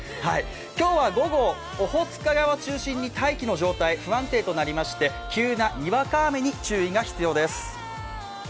今日は午後、オホーツク海を中心に大気の状態不安定となりまして、急なにわか雨に注意が必要です。